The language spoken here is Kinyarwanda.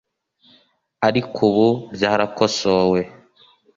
Ariko ubu byarakosowe